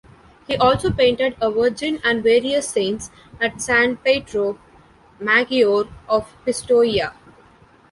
He also painted a "Virgin and various saints" at San Pietro Maggiore of Pistoia.